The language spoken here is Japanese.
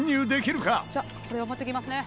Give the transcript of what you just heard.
「これ持っていきますね」